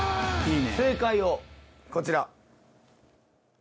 正解をこちら。